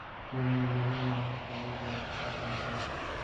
kumuondolea mwanamke uwezo wa kupata mtoto